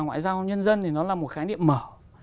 ngoại giao nhân dân thì nó là một khái niệm mở